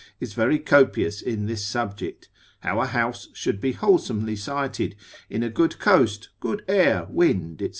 is very copious in this subject, how a house should be wholesomely sited, in a good coast, good air, wind, &c.